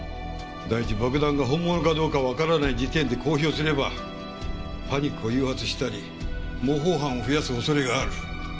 第一爆弾が本物かどうかわからない時点で公表すればパニックを誘発したり模倣犯を増やす恐れがある。